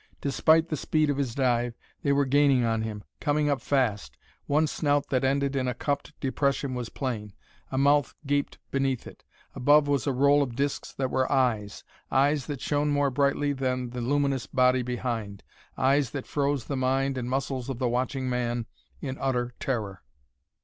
Despite the speed of his dive, they were gaining on him, coming up fast; one snout that ended in a cupped depression was plain. A mouth gaped beneath it; above was a row of discs that were eyes eyes that shone more brightly than the luminous body behind eyes that froze the mind and muscles of the watching man in utter terror.